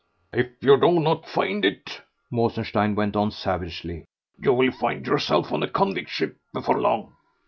"If you do not find it," Mosenstein went on savagely, "you will find yourself on a convict ship before long."